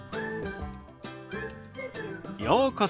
ようこそ。